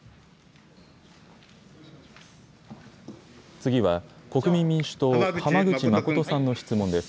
次は国民民主党、浜口誠さんの質問です。